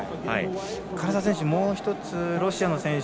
唐澤選手、もう１つロシアの選手